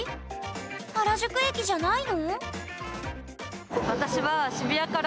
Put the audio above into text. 原宿駅じゃないの？